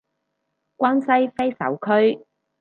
關西揮手區